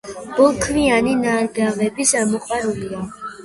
ბოლქვიანი ნარგავების მოყვარულია.